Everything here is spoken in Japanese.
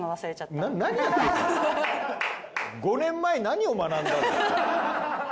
５年前何を学んだんだ。